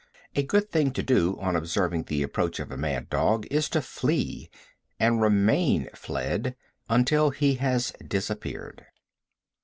A good thing to do on observing the approach of a mad dog is to flee, and remain fled until he has disappeared.